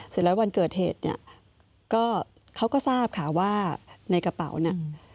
เสร็จแล้ววันเกิดเหตุเนี่ยก็เขาก็ทราบค่ะว่าในกระเป๋าเนี่ย